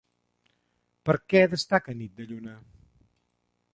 Per què destaca Nit de lluna?